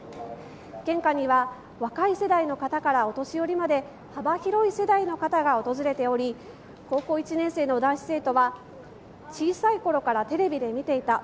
献花には若い世代の方からお年寄りまで幅広い世代の方が訪れており高校１年生の男子生徒は小さいころからテレビで見ていた。